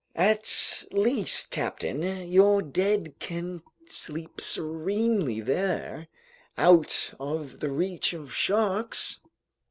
"At least, captain, your dead can sleep serenely there, out of the reach of sharks!"